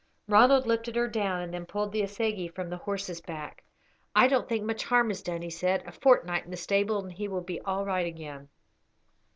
Ronald lifted her down, and then pulled the assegai from the horse's back. "I don't think much harm is done," he said; "a fortnight in the stable and he will be all right again."